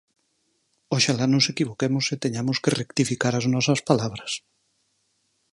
¡Oxalá nos equivoquemos e teñamos que rectificar as nosas palabras!